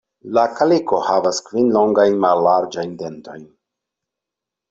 La kaliko havas kvin longajn mallarĝajn "dentojn".